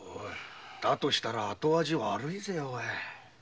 だとしたら後味悪いぜ。